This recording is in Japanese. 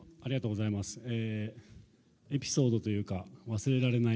エピソードというか忘れられない